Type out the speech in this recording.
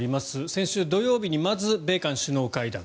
先週土曜日にまず米韓首脳会談。